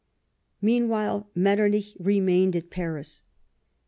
Meanwhile Metternich remained at Paris.